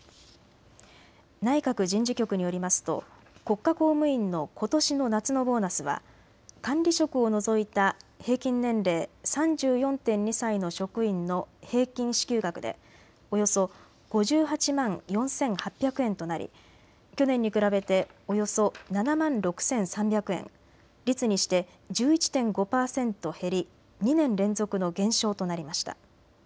内閣人事局によりますと国家公務員のことしの夏のボーナスは管理職を除いた平均年齢３４．２歳の職員の平均支給額でおよそ５８万４８００円となり去年に比べておよそ７万６３００円、率にして１１．５％減り２年連続の減少となりました。